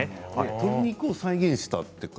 鶏肉を再現したと。